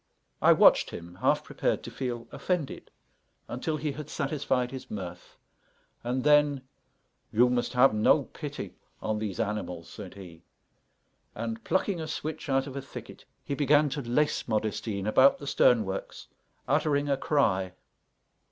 I watched him, half prepared to feel offended, until he had satisfied his mirth; and then, "You must have no pity on these animals," said he; and, plucking a switch out of a thicket, he began to lace Modestine about the stern works, uttering a cry.